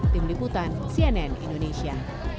tim liputan cnn indonesia